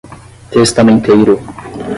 testamenteiro